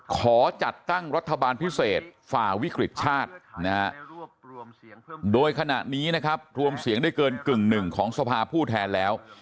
ขอจัดตั้งรัฐบาลพิเศษฝ่าวิกฤตชาตินะฮะโดยขณะนี้นะครับรวมเสียงได้เกินกึ่งหนึ่งของสภาผู้แทนแล้ว